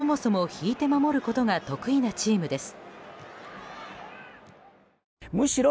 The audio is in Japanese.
コスタリカはそもそも引いて守ることが得意なチームです。